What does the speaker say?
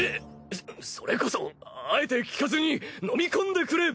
そそれこそあえて聞かずに飲み込んでくれ！